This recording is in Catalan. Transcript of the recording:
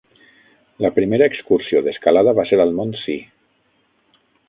La primera excursió d'escalada va ser al mont Si.